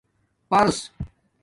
پرسس